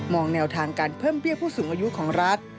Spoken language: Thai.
แนวทางการเพิ่มเบี้ยผู้สูงอายุของรัฐ